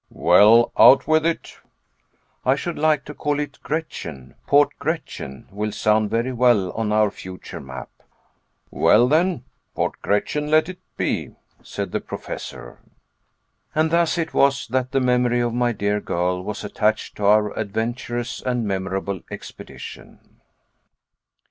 "Well; out with it." "I should like to call it Gretchen. Port Gretchen will sound very well on our future map." "Well then, Port Gretchen let it be," said the Professor. And thus it was that the memory of my dear girl was attached to our adventurous and memorable expedition.